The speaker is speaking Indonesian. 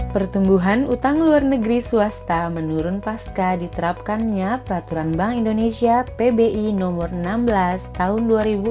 pertumbuhan utang luar negeri swasta menurun pasca diterapkannya peraturan bank indonesia pbi nomor enam belas tahun dua ribu dua puluh